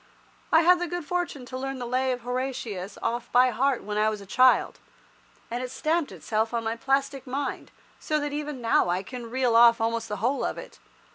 I had the good fortune to learn the Lay of Horatius off by heart when I was a child, and it stamped itself on my plastic mind, so that even now I can reel off almost the whole of it.